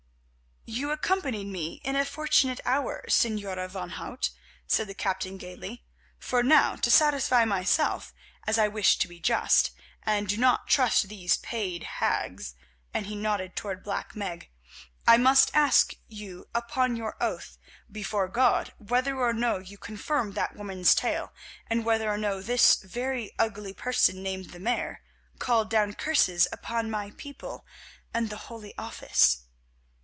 "You accompanied me in a fortunate hour, Señora van Hout," said the captain gaily, "for now, to satisfy myself, as I wish to be just, and do not trust these paid hags," and he nodded towards Black Meg, "I must ask you upon your oath before God whether or no you confirm that woman's tale, and whether or no this very ugly person named the Mare called down curses upon my people and the Holy Office?